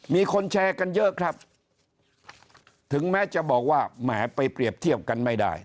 มีคนแชร์กันเยอะครับถึงแม้จะบอกว่าแหมไปเปรียบเทียบกันไม่ได้